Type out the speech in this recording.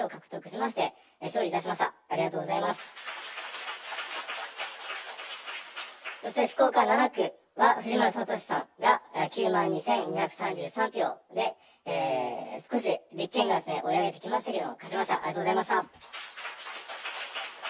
そして福岡７区、藤丸敏さんが９万２２３３票で少し立憲が追い上げてきましたけど、勝ちました、ありがとうございました。